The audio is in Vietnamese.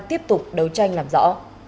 tiếp tục đấu tranh làm rõ